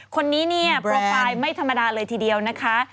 คนนี้เนี่ยโปรไฟล์ไม่ธรรมดาเลยทีเดียวนะคะ